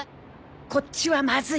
こっちはまずい。